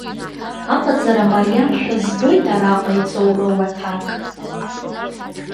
Аҟаҵара мариамшәа збоит араҟа иҵоуроу аҭак.